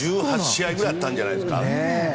１８試合ぐらいあったんじゃないですか。